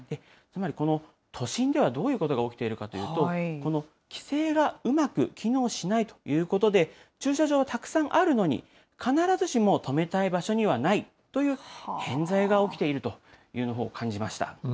つまりこの都心ではどういうことが起きているかというと、規制がうまく機能しないということで、駐車場はたくさんあるのに、必ずしも止めたい場所にはないという偏在が起きているというのを感じました。